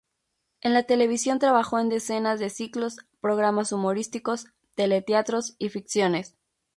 En la televisión trabajó en decenas de ciclos, programas humorísticos, teleteatros y ficciones.